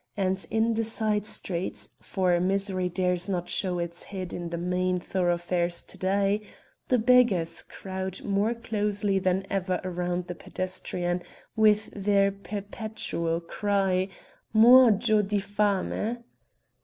and in the side streets for misery dares not show its head in the main thoroughfares to day the beggars crowd more closely than ever round the pedestrian with their perpetual cry: "muojo di fame."